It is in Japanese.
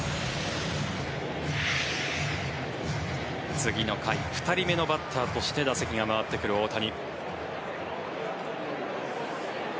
次の回、２人目のバッターとして打席が回ってくる大谷。